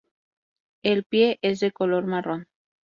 El pie es de color marrón.